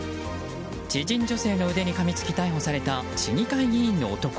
知人女性の腕にかみつき逮捕された市議会議員の男。